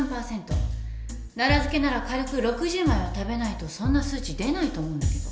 奈良漬なら軽く６０枚は食べないとそんな数値出ないと思うんだけど。